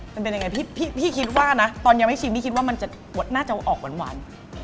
มันเป็นยังไงพี่คิดว่านะตอนยังไม่ชิมพี่คิดว่ามันน่าจะออกหวาน